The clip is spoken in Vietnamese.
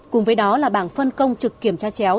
cùng với đó là bảng phân công trực kiểm tra chéo